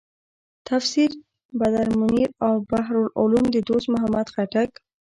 تفسیر بدرمنیر او بحر العلوم د دوست محمد خټک.